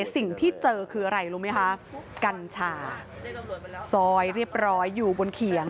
สิ่งที่เจอคืออะไรรู้ไหมคะกัญชาซอยเรียบร้อยอยู่บนเขียง